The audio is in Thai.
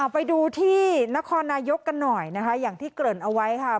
ไปดูที่นครนายกกันหน่อยนะคะอย่างที่เกริ่นเอาไว้ค่ะ